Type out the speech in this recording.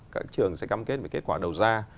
các trường sẽ cam kết về kết quả đầu ra